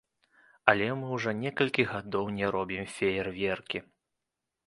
Але мы ўжо некалькі гадоў не робім феерверкі.